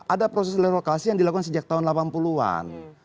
ada proses lelokasi yang dilakukan sejak tahun delapan puluh an